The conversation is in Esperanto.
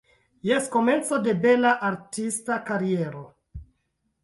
Jen komenco de bela artista kariero.